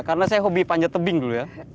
karena saya hobi panjat tebing dulu ya